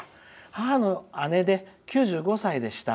母の姉で９５歳でした。